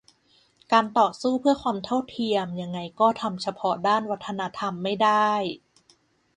การต่อสู้เพื่อความเท่าเทียมยังไงก็ทำเฉพาะด้านวัฒนธรรมไม่ได้